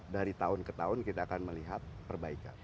dari tahun ke tahun kita akan melihat perbaikan